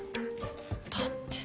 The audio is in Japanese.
だって。